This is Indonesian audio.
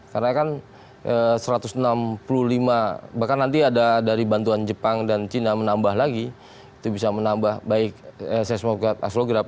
karena kan satu ratus enam puluh lima bahkan nanti ada dari bantuan jepang dan cina menambah lagi itu bisa menambah baik seismograf aslograf